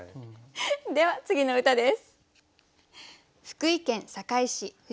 では次の歌です。